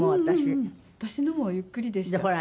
私のもゆっくりでした。